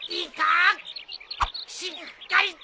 しっかり！